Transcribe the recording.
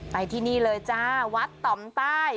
ไปที่นี่เลยจ้าวัดต่อมใต้